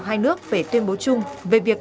hai nước về tuyên bố chung về việc